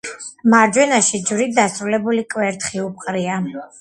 მარჯვენაში ჯვრით დასრულებული კვერთხი უპყრია.